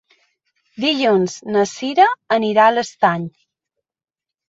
Dilluns na Cira anirà a l'Estany.